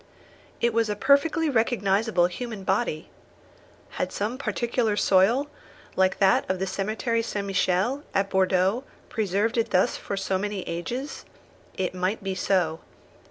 It was a perfectly recognisable human body. Had some particular soil, like that of the cemetery St. Michel, at Bordeaux, preserved it thus for so many ages? It might be so.